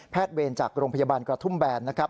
เวรจากโรงพยาบาลกระทุ่มแบนนะครับ